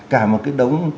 cả một cái đống